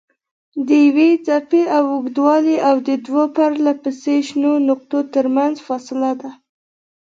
د یوې څپې اوږدوالی د دوو پرلهپسې شنو نقطو ترمنځ فاصله ده.